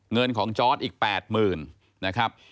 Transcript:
เงินของจอร์ตอีกแปดหมื่น